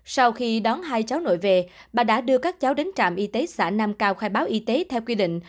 sau khi đón hai cháu nội về bà đã đưa các cháu đến trạm y tế xã nam cao khai báo y tế theo quy định